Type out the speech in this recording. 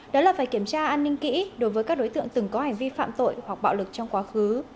đó là phải kiểm tra an ninh kỹ đối với các đối tượng từng có hành vi phạm tội hoặc bạo lực trong quá khứ